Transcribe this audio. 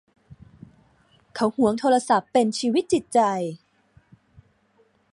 เขาหวงโทรศัพท์เป็นชีวิตจิตใจ